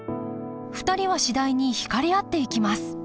２人は次第に引かれ合っていきます